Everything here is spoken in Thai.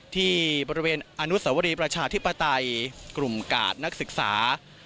ที่บริเวณอนุสวรีประชาธิปไตยกลุ่มกาดนักศึกษา